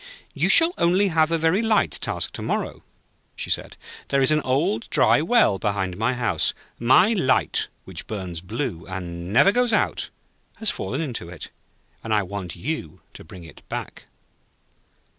'You shall only have a very light task to morrow,' she said. 'There is an old, dry well behind my house. My light, which burns blue, and never goes out, has fallen into it, and I want you to bring it back.'